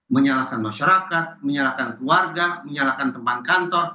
menyalahkan masyarakat menyalahkan keluarga menyalahkan teman kantor